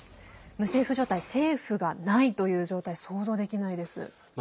無政府状態政府がないという状態想像できないです。